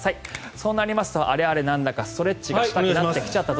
そうなりますとあれあれ、なんだかストレッチがしたくなってきたぞ。